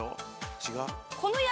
違う？